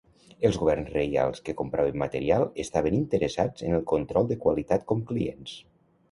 Els governs reials que compraven material estaven interessats en el control de qualitat com clients.